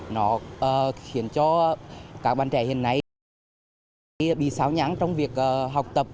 nó khiến cho các bạn trẻ hiện nay bị xáo nháng trong việc học tập